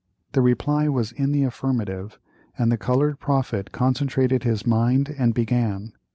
The reply was in the affirmative, and the colored prophet concentrated his mind and began.